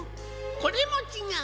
これもちがう。